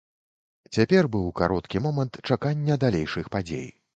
Цяпер быў кароткі момант чакання далейшых падзей.